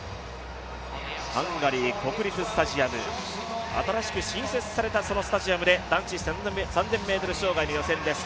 ハンガリー国立スタジアム、新しく新設されたスタジアムで、男子３０００ｍ障害の予選です。